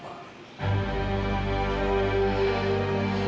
memangnya siapa cucu ibu